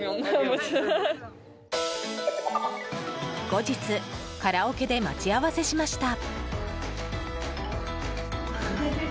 後日、カラオケで待ち合わせしました。